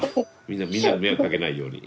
みんなに迷惑かけないように。